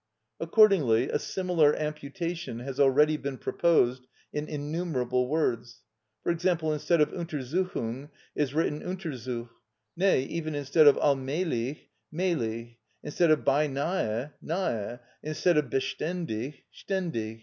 Accordingly a similar amputation has already been proposed in innumerable words; for example, instead of "Untersuchung" is written "Untersuch;" nay, even instead of "allmälig," "mälig;" instead of "beinahe," "nahe;" instead of "beständig," "ständig."